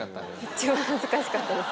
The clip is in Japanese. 一番恥ずかしかったです。